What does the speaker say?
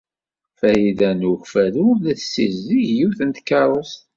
Farida n Ukeffadu la tessizdig yiwet n tkeṛṛust.